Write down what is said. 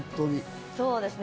そうですね。